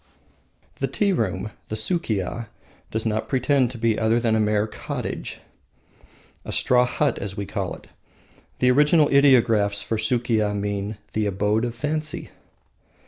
The tea room (the Sukiya) does not pretend to be other than a mere cottage a straw hut, as we call it. The original ideographs for Sukiya mean the Abode of Fancy.